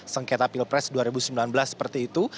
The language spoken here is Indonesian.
sengketa pilpres dua ribu sembilan belas seperti itu